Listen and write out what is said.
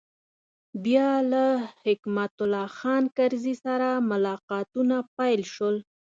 بیا له حکمت الله خان کرزي سره ملاقاتونه پیل شول.